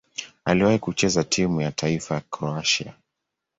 Aliwahi kucheza timu ya taifa ya Kroatia.